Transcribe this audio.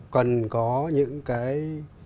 cần có những cái